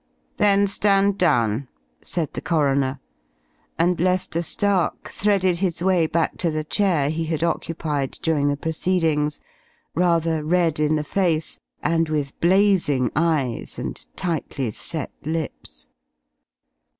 "Then stand down," said the coroner, and Lester Stark threaded his way back to the chair he had occupied during the proceedings, rather red in the face, and with blazing eyes and tightly set lips.